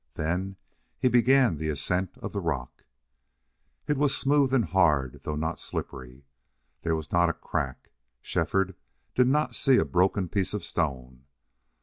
Then he began the ascent of the rock. It was smooth and hard, though not slippery. There was not a crack. Shefford did not see a broken piece of stone.